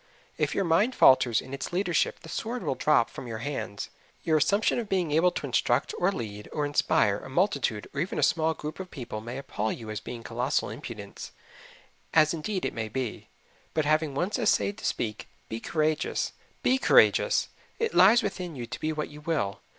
If your mind falters in its leadership the sword will drop from your hands. Your assumption of being able to instruct or lead or inspire a multitude or even a small group of people may appall you as being colossal impudence as indeed it may be; but having once essayed to speak, be courageous. BE courageous it lies within you to be what you will.